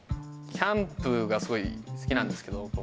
キャンプがすごい好きなんですけど。